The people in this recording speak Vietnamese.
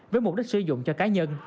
với mục đích sử dụng cho cá nhân